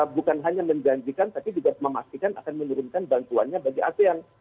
bukan hanya menjanjikan tapi juga memastikan akan menurunkan bantuannya bagi asean